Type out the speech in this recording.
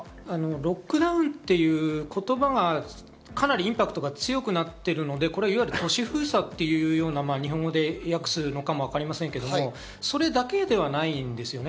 ロックダウンという言葉はかなりインパクトが強くなっているので、都市封鎖と日本語で訳すのかもしれませんけど、それだけではないんですよね。